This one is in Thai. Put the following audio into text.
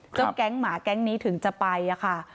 แก๊งหมาแก๊งนี้ถึงจะไปค่ะ